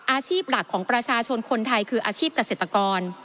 อาชีพหลักของประชาชนคนไทยคืออาชีพเกษตรกร